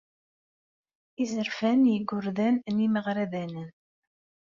Izerfan n yigerdan d imeɣradanen.